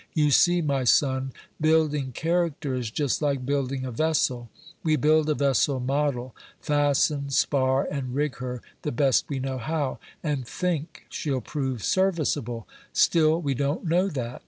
You see, my son, building character is just like building a vessel. We build a vessel model, fasten, spar, and rig her the best we know how, and think she'll prove serviceable; still we don't know that.